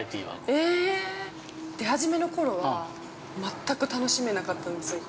◆え、出初めのころは、全く楽しめなかったんですよ。